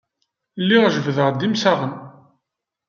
Lliɣ jebbdeɣ-d imsaɣen.